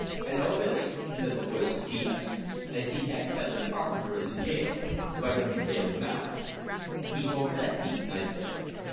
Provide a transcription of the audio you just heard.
"Hello, Billy," said the voice of T S. "I see dat feller Carpenter is in jail. Vy don't you bail him out?" "He won't let me," I said.